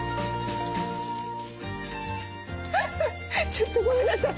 ちょっとごめんなさい。